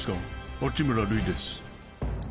八村塁です。